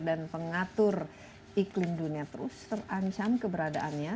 pengatur iklim dunia terus terancam keberadaannya